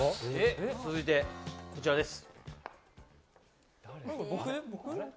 続いてはこちらです。